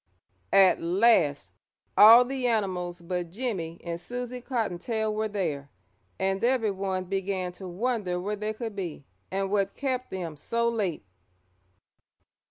At last all the animals but Jimmie and Susie Cottontail were there, and everyone began to wonder where they could be and what kept them so late.